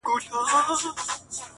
راځه او په رګونو کې راويښه اندېښنه کړه